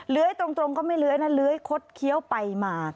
ตรงก็ไม่เลื้อยนะเลื้อยคดเคี้ยวไปมา